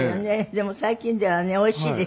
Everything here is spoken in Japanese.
でも最近ではねおいしいですよね。